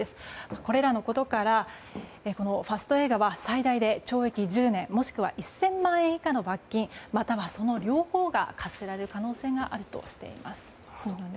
これらのことからファスト映画は、最大で懲役１０年もしくは１０００万円以下の罰金またはその両方が科せられる可能性があるとしています。